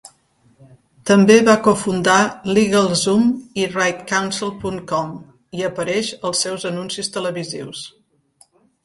També va cofundar LegalZoom i RightCounsel punt com i apareix als seus anuncis televisius.